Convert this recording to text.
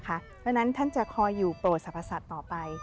เพราะฉะนั้นท่านจะคอยอยู่โปรดสรรพสัตว์ต่อไป